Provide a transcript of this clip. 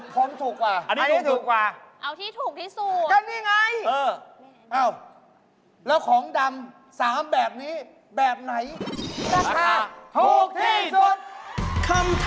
พอที่ถูกได้ไหม